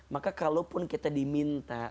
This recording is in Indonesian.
maka kalaupun kita diminta